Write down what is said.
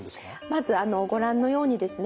まずご覧のようにですね